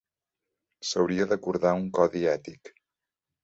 S'hauria d'acordar un codi ètic.